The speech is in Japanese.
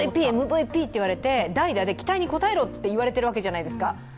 ＭＶＰ、ＭＶＰと言われて代打で期待に応えろと言われているわけじゃないですか。